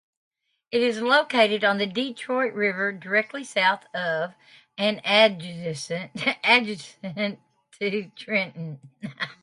It is located on the Detroit River directly south of, and adjacent to, Trenton.